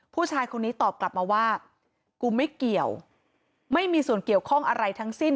ผู้ชายคนนี้ตอบกลับมาว่ากูไม่เกี่ยวไม่มีส่วนเกี่ยวข้องอะไรทั้งสิ้น